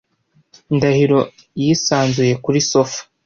Ndahiro yisanzuye kuri sofa.